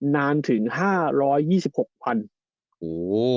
นานถึงห้าร้อยยี่สิบหกวันโอ้